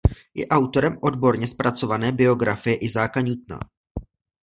Je autorem odborně zpracované biografie Isaaca Newtona.